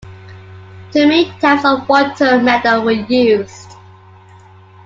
Two main types of water-meadow were used.